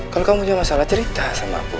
kalau kamu cuma salah cerita sama aku